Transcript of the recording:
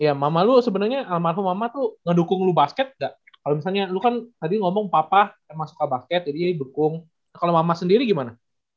ya mama lu sebenarnya almarhum mama tuh ngedukung lu basket gak kalau misalnya lu kan tadi ngomong papa emang suka basket jadi dukung kalau mama sendiri gimana